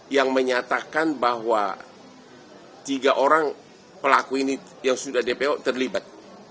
yang menyatakan bahwa tiga orang pelaku ini yang sudah dpo terlibat